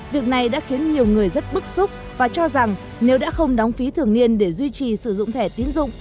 việc này đã khiến nhiều người rất bức xúc và cho rằng nếu đã không đóng phí thường niên để duy trì sử dụng thẻ tiến dụng